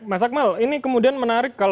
mas akmal ini kemudian menarik